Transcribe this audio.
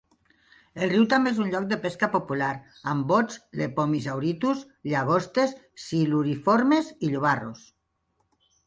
El riu també és un lloc de pesca popular, amb bots, lepomis auritus, llagostes, siluriformes i llobarros.